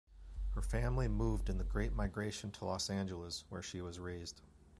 Her family moved in the Great Migration to Los Angeles, where she was raised.